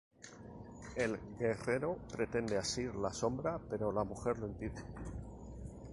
El guerrero pretende asir la sombra, pero la mujer lo impide.